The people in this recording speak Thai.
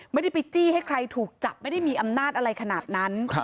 ไม่ได้ไปจี้ให้ใครถูกจับไม่ได้มีอำนาจอะไรขนาดนั้น